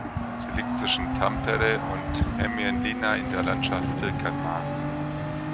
Sie liegt zwischen Tampere und Hämeenlinna in der Landschaft Pirkanmaa.